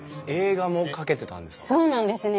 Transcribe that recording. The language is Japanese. そうなんですね。